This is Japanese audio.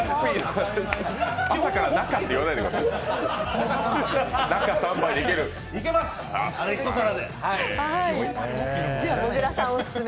朝から中って言わないでください、ホッピーね。